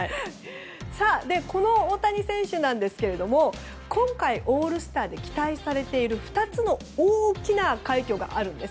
この大谷選手なんですが今回、オールスターで期待されている２つの大きな快挙があるんです。